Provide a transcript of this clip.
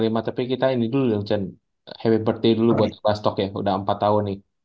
ya satu ratus lima puluh lima tapi kita ini dulu vincent happy birthday dulu buat abastalk ya udah empat tahun nih